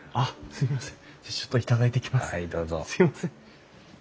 すいません。